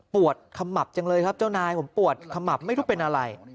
ขมับจังเลยครับเจ้านายผมปวดขมับไม่รู้เป็นอะไร